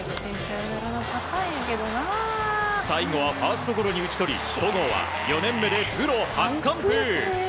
最後はファーストゴロに打ち取り戸郷は４年目でプロ初完封。